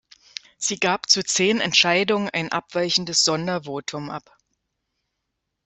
Sie gab zu zehn Entscheidungen ein abweichendes Sondervotum ab.